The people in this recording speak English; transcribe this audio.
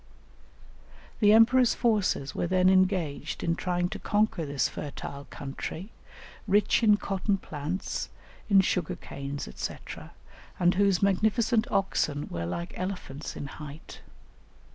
The emperor's forces were then engaged in trying to conquer this fertile country, rich in cotton plants, in sugar canes, &c., and whose magnificent oxen were like elephants in height.